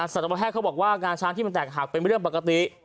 สัตวแพทย์เขาบอกว่างาช้างที่มันแตกหักเป็นเรื่องปกติ